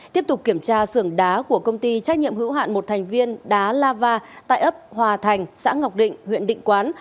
tiếp tục kiểm tra sưởng đá của công ty trách nhiệm hữu hạn một thành viên đá lava tại ấp hòa thành xã ngọc định huyện định quán